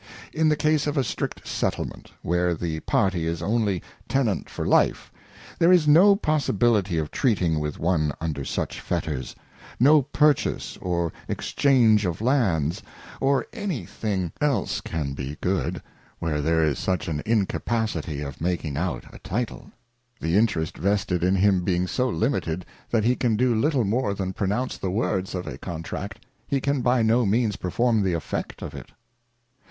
In the case of a strict Settlement, where the party is only Tenant for life, there is no possibility of treating with one under such fetters ; no purchase or exchange of Latids or any HALIFAX I thing 114 '^^^ Anatomy of an Equivalent. thing else can be good, where there is such an incapacity of making out a Title ; the interest vested in him being so limited, that he can do little more than pronounce the words of a Con tract, he can by no means perform the effect of it.